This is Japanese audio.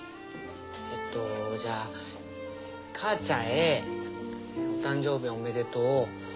えっとじゃあ母ちゃんへお誕生日おめでとう。